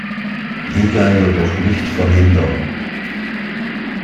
Liga jedoch nicht verhindern.